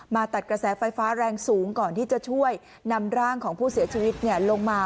ตัดกระแสไฟฟ้าแรงสูงก่อนที่จะช่วยนำร่างของผู้เสียชีวิตลงมา